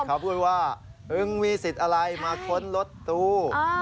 เขาพูดว่ามึงมีสิทธิ์อะไรมาค้นรถตู้